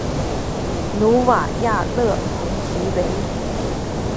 努瓦亚勒蓬提维。